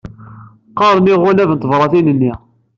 Qaren iɣunab n tebṛatin-nni.